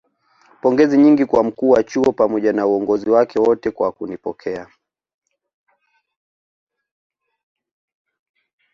pongezi nyingi kwa mkuu wa chuo pamoja na uongozi wake wote kwa kunipokea